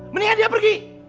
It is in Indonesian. mendingan dia pergi